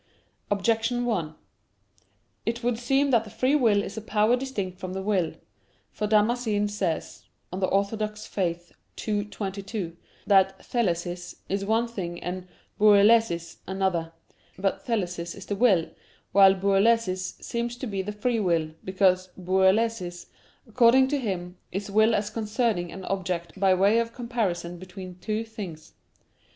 Objection 1: It would seem that free will is a power distinct from the will. For Damascene says (De Fide Orth. ii, 22) that thelesis is one thing and boulesis another. But thelesis is the will, while boulesis seems to be the free will, because boulesis, according to him, is will as concerning an object by way of comparison between two things.